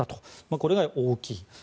これが大きいと。